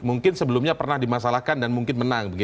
mungkin sebelumnya pernah dimasalahkan dan mungkin menang